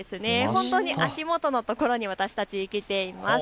本当に足元のところに私たち来ています。